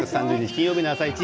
金曜日の「あさイチ」